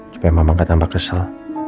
supaya memang gak tambah kesel